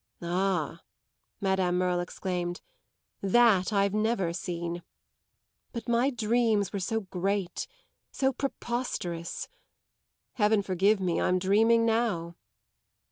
"Ah," Madame Merle exclaimed, "that I've never seen! But my dreams were so great so preposterous. Heaven forgive me, I'm dreaming now!"